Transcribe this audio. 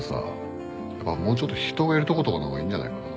もうちょっと人がいるとことかのほうがいいんじゃないかな？